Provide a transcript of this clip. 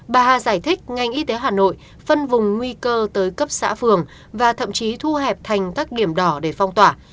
bà hà giải thích ngành y tế hà nội phân vùng nguy cơ tới cấp xã phường và thậm chí thu hẹp thành các điểm đỏ để phong tỏa